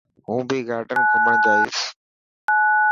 هون ڀهي گارڊن گھمڻ جائيس.